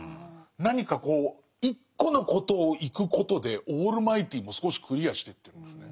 何かこう一個のことを行くことでオールマイティも少しクリアしてってるんですね。